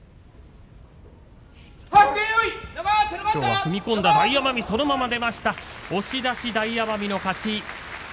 踏み込んだ大奄美そのまま出ました、押し出して大奄美の勝ち